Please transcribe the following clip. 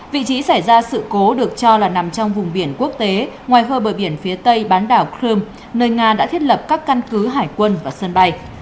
vị trí xảy ra sự cố được cho là nằm trong vùng biển quốc tế ngoài khơi bờ biển phía tây bán đảo crimea nơi nga đã thiết lập các căn cứ hải quân và sân bay